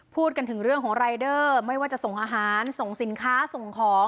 พูดกันถึงเรื่องของรายเดอร์ไม่ว่าจะส่งอาหารส่งสินค้าส่งของ